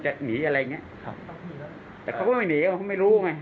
จะหนีอะไรอย่างเงี้ยแต่เขาก็ไปหนีกับไม่รู้ไหม